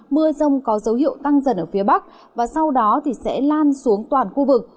mưa rông có dấu hiệu tăng dần ở phía bắc và sau đó sẽ lan xuống toàn khu vực